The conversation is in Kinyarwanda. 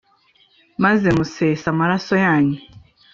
Maze musesa amaraso yanyu